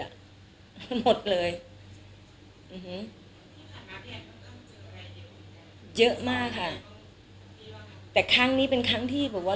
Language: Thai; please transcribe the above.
หมดเลยอืมเยอะมากค่ะแต่ครั้งนี้เป็นครั้งที่แบบว่า